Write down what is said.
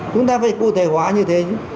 chúng ta phải cụ thể hóa như thế nhé